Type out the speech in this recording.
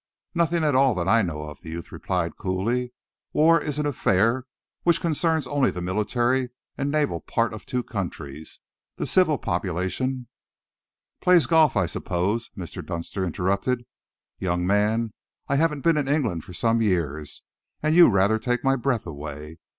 "Nothing at all, that I know of," the youth replied coolly. "War is an affair which concerns only the military and naval part of two countries. The civil population " "Plays golf, I suppose," Mr. Dunster interrupted. "Young man, I haven't been in England for some years, and you rather take my breath away.